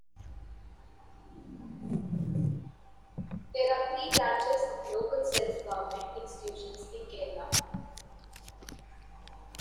There are three branches of local self-government institutions in Kerala.